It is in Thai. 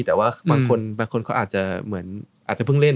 แต่ว่าบางคนก็คงพึ่งเล่น